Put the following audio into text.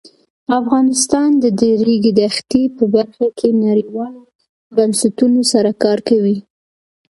افغانستان د د ریګ دښتې په برخه کې نړیوالو بنسټونو سره کار کوي.